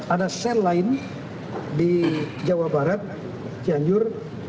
ada sel lain di jawa barat cianjur